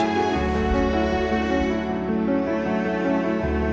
pak suria bener